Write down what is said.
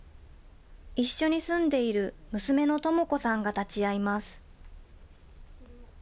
一緒に住んでいる娘の智子さんが立ち会います。